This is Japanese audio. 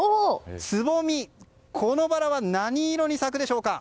つぼみこのバラは何色に咲くでしょうか。